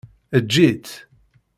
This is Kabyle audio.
Eǧǧ-itt!